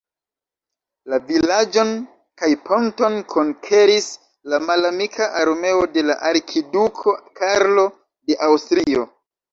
La vilaĝon kaj ponton konkeris la malamika armeo de la arkiduko Karlo de Aŭstrio.